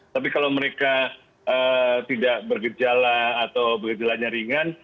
tapi kalau mereka tidak bergejala atau bergejalanya ringan